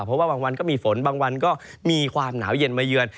เพราะว่าบางวันก็มีฝนบางวันก็มีความหนาวเย็นมาเยือน